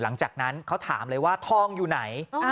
หลังจากนั้นเขาถามเลยว่าทองอยู่ไหน